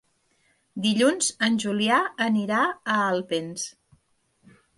Dilluns en Julià anirà a Alpens.